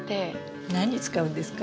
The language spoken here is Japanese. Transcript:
何に使うんですか？